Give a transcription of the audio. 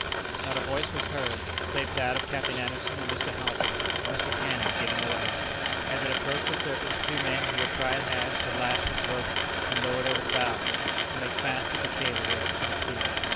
Not a voice was heard, save that of Captain Anderson, or Mr. Halpin, or Mr. Canning, giving orders. As it approached the surface, two men, who were tried hands, were lashed with ropes and lowered over the bows, to make fast to the cable when it should appear.